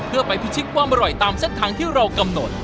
เพื่อไปพิชิตความอร่อยตามเส้นทางที่เรากำหนด